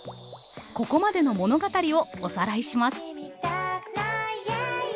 ここまでの物語をおさらいします。